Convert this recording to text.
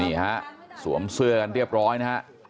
นี่ฮะสวมเสื้อกันเรียบร้อยนะฮะ